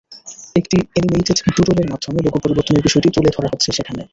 একটি অ্যানিমেটেড ডুডলের মাধ্যমে লোগো পরিবর্তনের বিষয়টি তুলে ধরা হচ্ছে সেখানে।